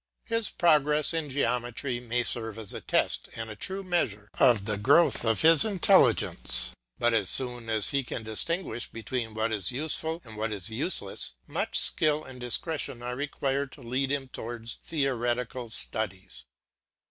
His progress in geometry may serve as a test and a true measure of the growth of his intelligence, but as soon as he can distinguish between what is useful and what is useless, much skill and discretion are required to lead him towards theoretical studies.